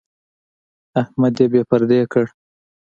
احمد يې بې پردې کړ.